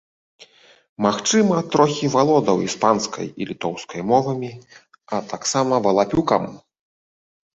Магчыма, трохі валодаў іспанскай і літоўскай мовамі, а таксама валапюкам.